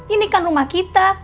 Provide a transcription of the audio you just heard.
ini kan rumah kita